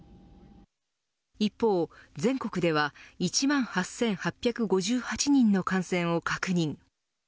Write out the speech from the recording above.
一方、全国では１万８８５８人の感染を確認。